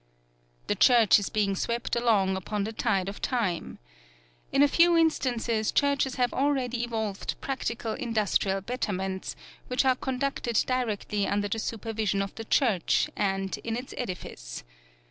The Church is being swept along upon the tide of time. In a few instances churches have already evolved practical industrial betterments, which are conducted directly under the supervision of the church and in its edifice.